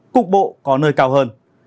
cục bộ có nơi cao hơn